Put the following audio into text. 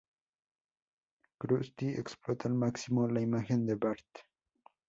Krusty explota al máximo la imagen de Bart.